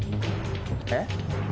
えっ？